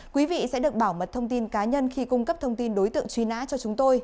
quý vị sẽ được bảo mật thông tin cá nhân khi cung cấp thông tin đối tượng truy nã cho chúng tôi